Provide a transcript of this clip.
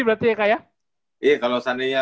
berarti ya kak ya iya kalau seandainya